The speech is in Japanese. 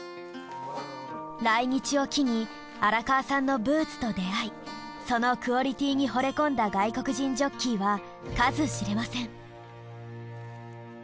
来日を機に荒川さんのブーツと出会いそのクオリティーにほれ込んだ外国人ジョッキーは数知れません。